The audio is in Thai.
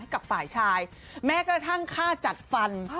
กับฝ่ายชายแม้กระทั่งค่าจัดฟัน